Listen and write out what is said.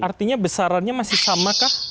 artinya besarannya masih sama kah